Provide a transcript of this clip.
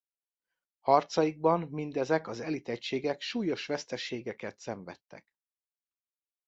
Harcaikban mindezek az elit egységek súlyos veszteségeket szenvedtek.